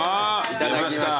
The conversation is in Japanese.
いただきます。